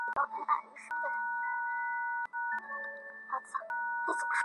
明光社曾刊登广告呼吁市民罢买罢看罔顾公众利益的报纸及电视节目。